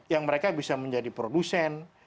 yang mereka bisa menjadi produsen